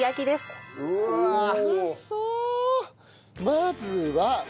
まずは。